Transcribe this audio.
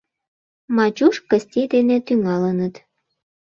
Мачуш Кысти дене тӱҥалыныт.